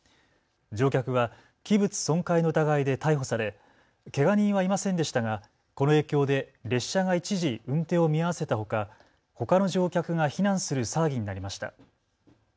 乗客は器物損壊の疑いで逮捕されけが人はいませんでしたがこの影響で列車が一時、運転を見合わせたほか、ほかの乗客が避難する騒ぎになりました。